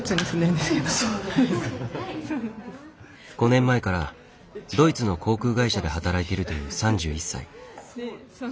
５年前からドイツの航空会社で働いているという３１歳。